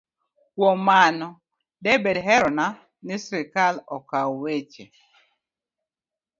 Kuom mano, de bed herona ni sirkal okaw weche